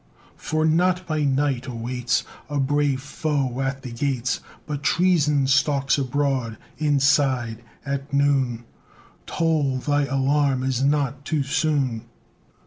For not by night awaits A brave foe at the gates, But Treason stalks abroad inside! at noon! Toll! Thy alarm is not too soon!